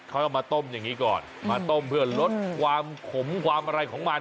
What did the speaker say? เขาเอามาต้มอย่างนี้ก่อนมาต้มเพื่อลดความขมความอะไรของมัน